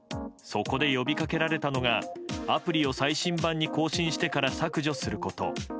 そこで呼びかけられたのがアプリを最新版に更新してから削除すること。